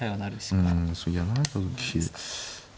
うんそう成られた時。